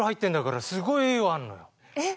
えっ？